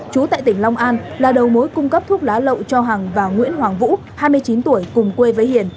chú tại tỉnh long an là đầu mối cung cấp thuốc lá lậu cho hằng và nguyễn hoàng vũ hai mươi chín tuổi cùng quê với hiền